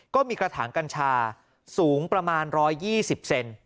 ก็มีกระถางกัญชาสูงประมาณรอยยี่สิบเซน